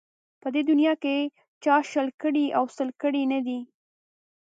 په دې دنیا کې چا شل کړي او سل کړي نه ده